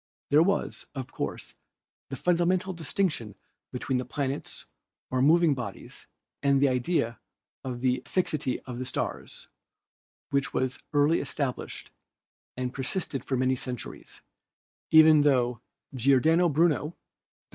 There was, of course, the fundamental distinction between the planets or mov ing bodies and the idea of the fixity of the stars, which 257 258 ASTRONOMY was early established and persisted for many centuries, even tho Giordano Bruno (d.